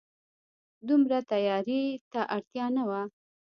دومره تياري ته اړتيا نه وه